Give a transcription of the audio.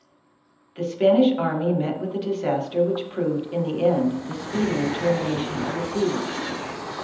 The Spanish army met with a disaster which proved in the end the speedier termination of the siege.